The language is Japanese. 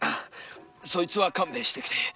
そいつは勘弁してくれ。